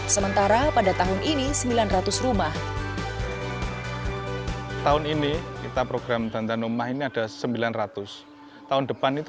sementara pada tahun ini sembilan ratus rumah tahun ini kita program bantuan rumah ini ada sembilan ratus tahun depan itu